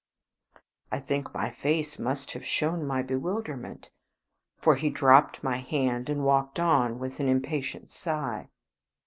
I think my face must have shown my bewilderment, for he dropped my hand, and walked on with an impatient sigh.